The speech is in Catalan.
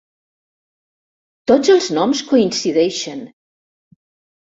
Tots els noms coincideixen!